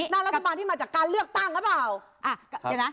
รัฐบาลที่มาจากการเลือกตั้งหรือเปล่า